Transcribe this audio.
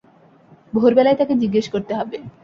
ভোরবেলায় তাকে জিজ্ঞেস করতে হবে।